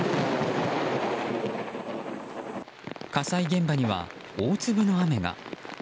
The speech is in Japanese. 火災現場には大粒の雨が。